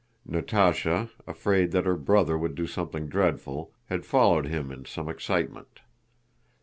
Natásha, afraid that her brother would do something dreadful, had followed him in some excitement.